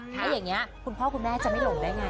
ถ้าอย่างนี้คุณพ่อคุณแม่จะไม่หลงได้ไง